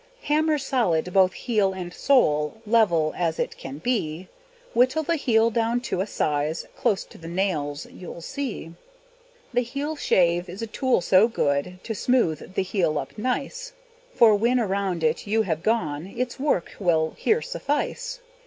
Hammer solid both heel and sole Level as it can be; Whittle the heel down to a size Close to the nails you'll see. The heel shave is a tool so good, To smooth the heel up nice; For when around it you have gone, Its work will here suffice.